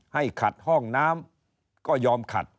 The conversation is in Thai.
ให้ขัดห้องน้ำก็ยอมขัด